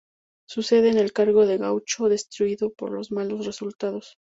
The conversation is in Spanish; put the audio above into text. Sucede en el cargo a Gaúcho, destituido por los malos resultados.